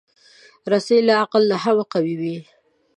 رسۍ له عقل نه هم قوي وي.